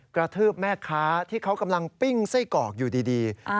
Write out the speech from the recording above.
กระทืบแม่ค้าที่เขากำลังปิ้งไส้กรอกอยู่ดี